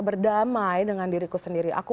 berdamai dengan diriku sendiri aku